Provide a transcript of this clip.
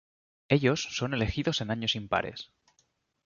Ellos son elegidos en años impares.